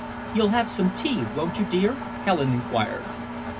"You'll have some tea, won't you, dear?" Helen enquired.